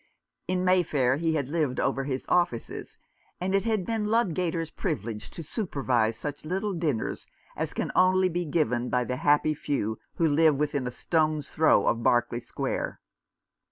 In Mayfair he had lived over his offices, and it had been Ludgater's privilege to supervise such little dinners as can only be given by the happy few who live within a stone's throw of Berkeley Square.